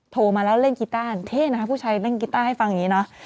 โทรมาแล้วเล่นกีต้าเท่นะคะผู้ชายเล่นกีต้าให้ฟังอย่างนี้เนอะ